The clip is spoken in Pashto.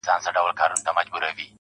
اوس هم زما د وجود ټوله پرهرونه وايي.